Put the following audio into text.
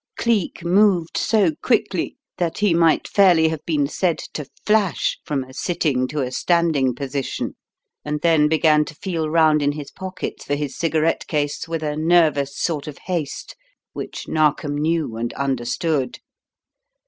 Cleek moved so quickly that he might fairly have been said to flash from a sitting to a standing position, and then began to feel round in his pockets for his cigarette case with a nervous sort of haste, which Narkom knew and understood.